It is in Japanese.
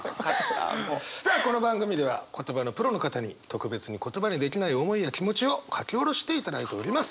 さあこの番組では言葉のプロの方に特別に言葉できない思いや気持ちを書き下ろしていただいております。